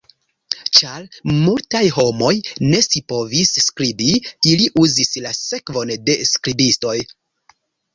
Ĉar multaj homoj ne scipovis skribi, ili uzis la servon de skribistoj.